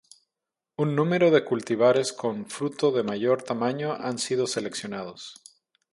Un número de cultivares con fruto de mayor tamaño han sido seleccionados.